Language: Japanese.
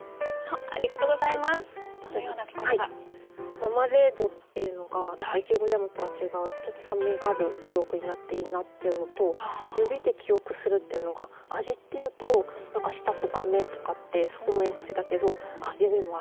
「ママレード」っていうのがやっぱりイチゴジャムとは違うちょっと酸味がある記憶になっていいなっていうのと「指で記憶する」っていうのが味っていうと何か舌とか目とかって思いがちだけど指もある。